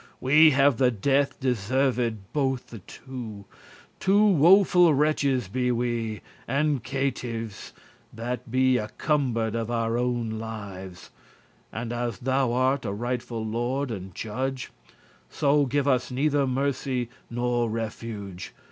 We have the death deserved bothe two, Two woful wretches be we, and caitives, That be accumbered* of our own lives, *burdened And as thou art a rightful lord and judge, So give us neither mercy nor refuge.